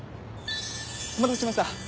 ・お待たせしました！